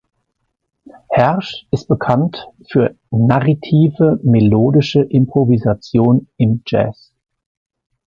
Hersch ist bekannt für narrative melodische Improvisation im Jazz.